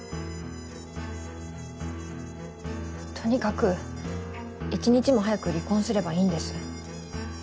とにかく１日も早く離婚すればいいんです。